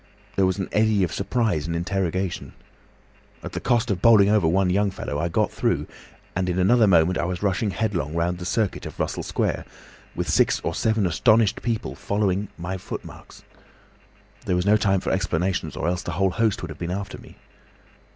There was an eddy of surprise and interrogation. At the cost of bowling over one young fellow I got through, and in another moment I was rushing headlong round the circuit of Russell Square, with six or seven astonished people following my footmarks. There was no time for explanation, or else the whole host would have been after me.